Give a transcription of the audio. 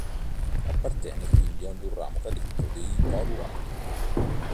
Appartenne quindi ad un ramo cadetto dei Valois.